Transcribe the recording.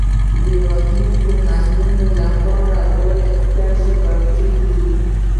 د راتلونکو نسلونو لپاره باید ښه ژبه پریږدو.